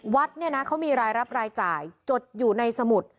วัดเนี่ยนะเขามีรายรับรายจ่ายจดอยู่ในสมุด